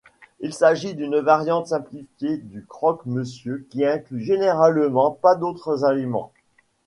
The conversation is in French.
Il s'agit d'une variante simplifiée du croque-monsieur qui n'inclut généralement pas d'autres aliments.